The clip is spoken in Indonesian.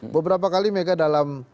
beberapa kali mega dalam